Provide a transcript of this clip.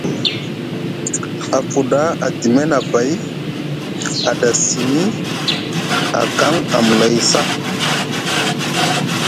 A fuɗa Adime nʼabay, a da simi, a kaŋ amlay ca.